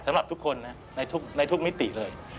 สำหรับทุกคนนะในทุกมิติเลย